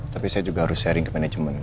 tapi saya juga harus sharing ke manajemen